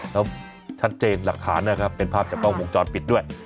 แล้วชัดเจนหลักฐานนะครับเป็นภาพจากกล้องวงจรปิดด้วย